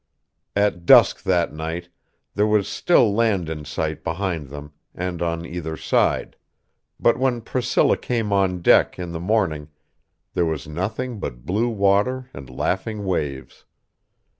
At dusk that night, there was still land in sight behind them and on either side; but when Priscilla came on deck in the morning, there was nothing but blue water and laughing waves.